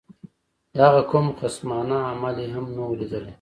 د هغه کوم خصمانه عمل یې هم نه وو لیدلی.